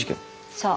そう。